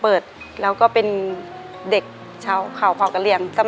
ในแคมเปญพิเศษเกมต่อชีวิตโรงเรียนของหนู